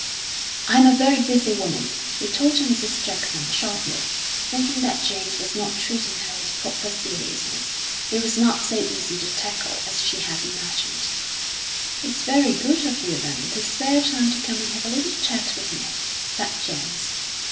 "I'm a very busy woman," retorted Mrs. Jackson sharply, thinking that James was not treating her with proper seriousness. He was not so easy to tackle as she had imagined. "It's very good of you, then, to spare time to come and have a little chat with me," said James.